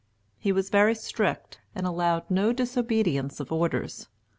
He was very strict, and allowed no disobedience of orders.